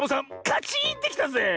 カチーンってきたぜえ。